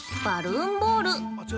バルーンボール。